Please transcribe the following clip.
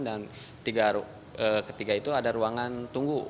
dan ketiga itu ada ruangan tunggu